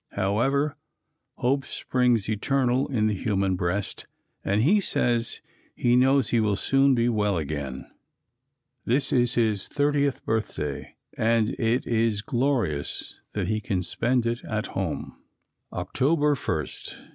However, "hope springs eternal in the human breast" and he says he knows he will soon be well again. This is his thirtieth birthday and it is glorious that he can spend it at home. October 1.